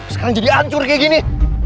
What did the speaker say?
sekarang jadi hancur kayak gini